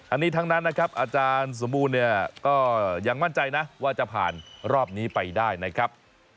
อันนี้ทั้งนั้นนะครับอาจารย์สมบูรณ์เนี่ยก็ยังมั่นใจนะว่าจะผ่านรอบนี้ไปได้นะครับ